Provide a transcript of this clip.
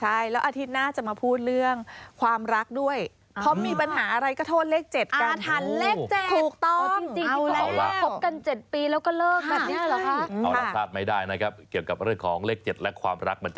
ใช่แล้วอาทิตย์หน้าจะมาพูดเรื่องความรักด้วย